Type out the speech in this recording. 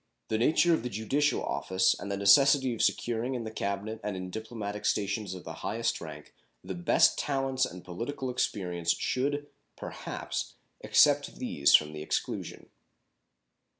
The nature of the judicial office and the necessity of securing in the Cabinet and in diplomatic stations of the highest rank the best talents and political experience should, perhaps, except these from the exclusion.